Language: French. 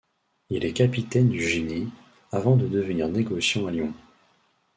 Il est capitaine du génie, avant de devenir négociant à Lyon.